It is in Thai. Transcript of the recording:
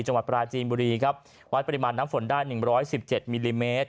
จังหวัดปราจีนบุรีครับวัดปริมาณน้ำฝนได้หนึ่งร้อยสิบเจ็ดมิลลิเมตร